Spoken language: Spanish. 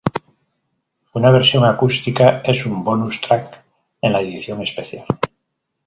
Una versión acústica es un bonus track en la edición especial.